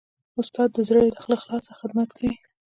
استاد د زړه له اخلاصه خدمت کوي.